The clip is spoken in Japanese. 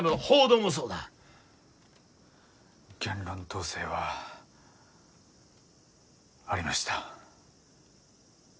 言論統制はありました。